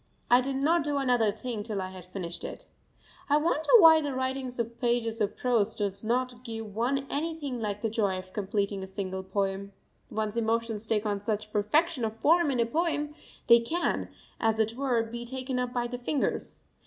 I did not do another thing till I had finished it. I wonder why the writing of pages of prose does not give one anything like the joy of completing a single poem. One's emotions take on such perfection of form in a poem; they can, as it were, be taken up by the fingers.